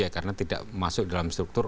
karena tidak masuk dalam struktur